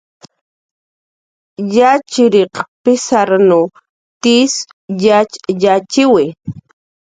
Yatxchiriq pizarranw tizn yatx yatxchiwi